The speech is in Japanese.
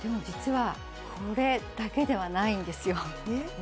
実はこれだけではないんですよ